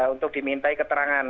untuk dimintai keterangan